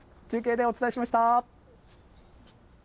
中継でお伝えしました。